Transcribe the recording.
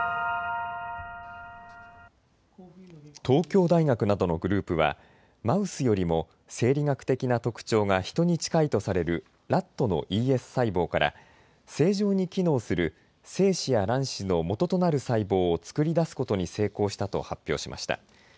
東京大学などのグループはマウスよりも生理学的な特徴がヒトに近いとされるラットのＥＳ細胞から正常に機能する精子や卵子のもととなる細胞を作り出すことに成功したと発表しました。